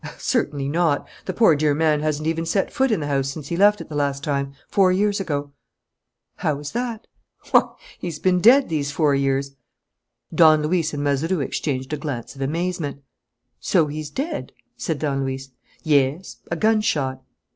"Certainly not! The poor, dear man hasn't even set foot in the house since he left it the last time, four years ago!" "How is that?" "Why, he's been dead these four years!" Don Luis and Mazeroux exchanged a glance of amazement. "So he's dead?" said Don Luis. "Yes, a gunshot."